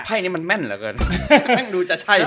ถ้าใช่มันแม่นเหรอกัน